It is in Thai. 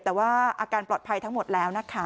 แต่ว่าอาการปลอดภัยทั้งหมดแล้วนะคะ